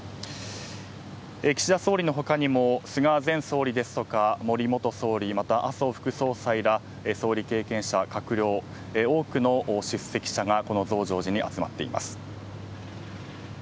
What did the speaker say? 岸田総理の他にも菅前総理ですとか森元総理また、麻生副総裁ら総理経験者、閣僚多くの出席者がこの増上寺に集まっています。